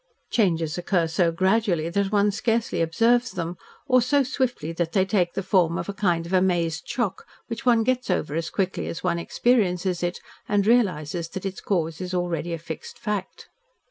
Changes occur so gradually that one scarcely observes them, or so swiftly that they take the form of a kind of amazed shock which one gets over as quickly as one experiences it and realises that its cause is already a fixed fact.